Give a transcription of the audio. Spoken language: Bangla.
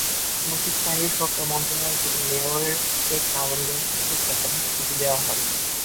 এমনকি স্থানীয় সরকার মন্ত্রণালয় থেকে মেয়রকে কারণ দর্শাতে একাধিক চিঠি দেওয়া হয়।